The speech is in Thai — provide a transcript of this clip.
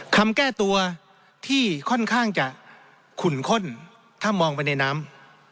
แก้ตัวที่ค่อนข้างจะขุ่นข้นถ้ามองไปในน้ำ